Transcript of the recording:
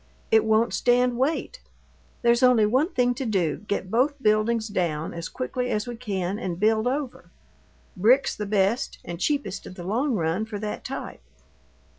It won't stand weight. There's only one thing to do: get both buildings down as quickly as we can, and build over. Brick's the best and cheapest in the long run for that type."